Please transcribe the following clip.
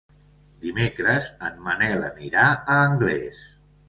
Dimecres en Manel anirà a Anglès.